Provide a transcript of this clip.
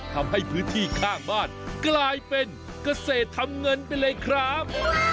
ทำให้พื้นที่ข้างบ้านกลายเป็นเกษตรทำเงินไปเลยครับ